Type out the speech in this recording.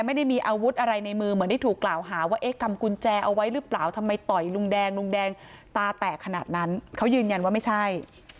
ไม่ได้มีอาวุธอะไรในมือเหมือนที่ถูกกล่าวหาว่าเอ๊ะกำกุญแจเอาไว้หรือเปล่าทำไมต่อยลุงแดงลุงแดงตาแตกขนาดนั้นเขายืนยันว่าไม่ใช่